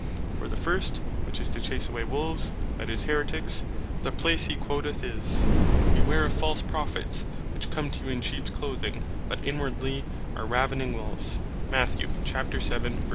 For the first, which is to chase away Wolves, that is, Haeretiques, the place hee quoteth is (Matth. 7.15.) "Beware of false Prophets which come to you in Sheeps clothing, but inwardly are ravening Wolves."